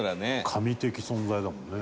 「神的存在だもんね」